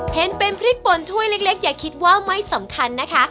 เห็นเป็นพริกปนถ้วยเล็กอย่าคิดว่าไม่สำคัญนะคะ